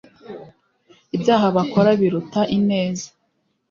ibyaha bakora biruta ineza